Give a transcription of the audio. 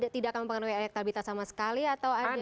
tidak akan mempengaruhi elektabilitas sama sekali atau ada